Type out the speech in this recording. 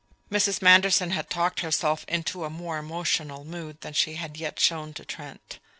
Mrs. Manderson had talked herself into a more emotional mood than she had yet shown to Trent.